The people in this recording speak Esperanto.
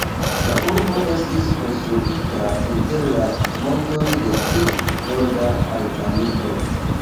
La urbo estis konstruita inter la montoj de pli norda Albanio.